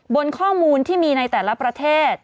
บนข้อมูลที่มีในแต่ละประเทศ